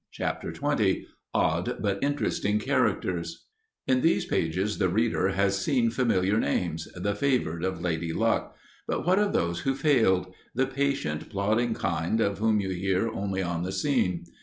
Chapter XX Odd But Interesting Characters In these pages the reader has seen familiar names—the favored of Lady Luck—but what of those who failed—the patient, plodding kind of whom you hear only on the scene?